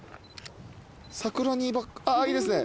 桜にああいいですね。